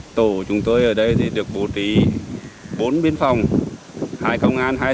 nhằm ngăn chống dịch chúng tôi ở đây được bố trí bốn biên phòng hai công an hai xã đổi